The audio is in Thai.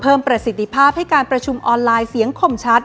ประสิทธิภาพให้การประชุมออนไลน์เสียงข่มชัด